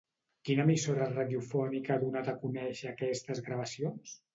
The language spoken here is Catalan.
Quina emissora radiofònica ha donat a conèixer aquestes gravacions?